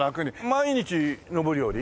毎日上り下り？